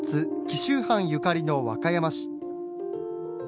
紀州藩ゆかりの和歌山市。